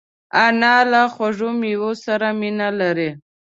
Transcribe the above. انا له خوږو مېوو سره مینه لري